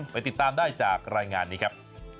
ไปติดตามได้จากรายงานนี้ครับ